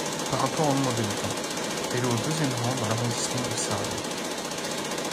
Par rapport au nombre d'habitants, elle est au deuxième rang dans l'Arrondissement de Sarrelouis.